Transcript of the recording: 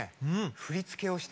振り付けをしてくれて。